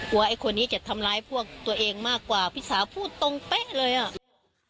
ไอ้คนนี้จะทำร้ายพวกตัวเองมากกว่าพี่สาวพูดตรงเป๊ะเลยอ่ะ